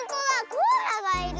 コアラがいる。